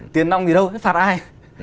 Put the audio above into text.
tiền nông gì đâu phạt ai